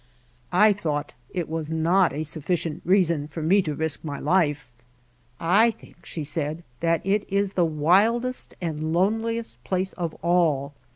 I thought it was not a sufficient reason for me to risk my life. "I think," she said, "that it is the wildest and loneliest place of all.